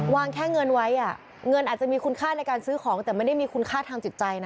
แค่เงินไว้เงินอาจจะมีคุณค่าในการซื้อของแต่ไม่ได้มีคุณค่าทางจิตใจนะ